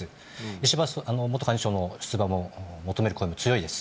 石破元幹事長の出馬も求める声も強いです。